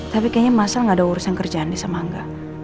tapi kayaknya mas al gak ada urusan kerjaan di sama angga